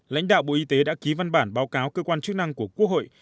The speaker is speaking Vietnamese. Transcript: lãnh đạo bộ y tế đã ký văn bản báo cáo cơ quan chức năng của quốc hội